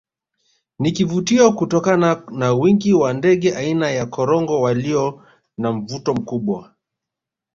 Ni kivutio kutokana na wingi wa ndege aina ya korongo walio na mvuto mkubwa